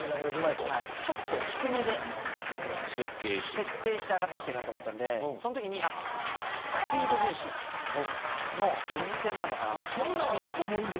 ちょっと低めで設定して上がってきてると思ったのでそのときにスピード重視の作戦なのかなと。